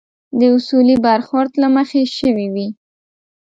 د اصولي برخورد له مخې شوي وي.